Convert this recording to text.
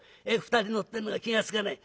２人乗ってるのが気が付かない。